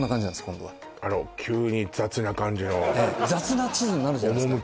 今度はあら急に雑な感じの雑な地図になるじゃないですか